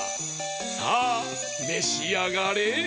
さあめしあがれ！